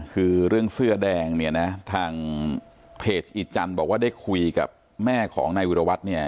คือเรื่องเสื้อแดงเนี่ยนะทางเพจอีจันทร์บอกว่าได้คุยกับแม่ของนายวิรวัตรเนี่ย